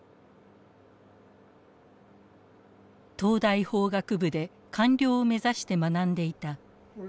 東大法学部で官僚を目指して学んでいた歌田勝弘さん